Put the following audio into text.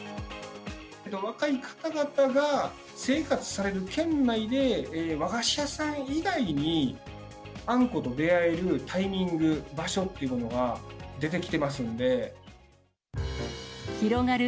若い方々が生活される圏内で、和菓子屋さん以外に、あんこと出会えるタイミング、場所というものが出てきてますん広がる